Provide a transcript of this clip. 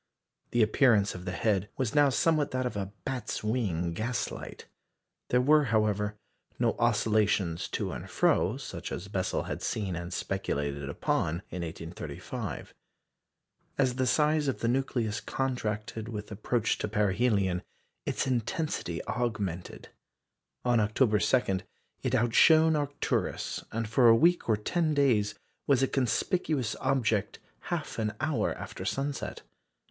The appearance of the head was now somewhat that of a "bat's wing" gaslight. There were, however, no oscillations to and fro, such as Bessel had seen and speculated upon in 1835. As the size of the nucleus contracted with approach to perihelion, its intensity augmented. On October 2, it outshone Arcturus, and for a week or ten days was a conspicuous object half an hour after sunset.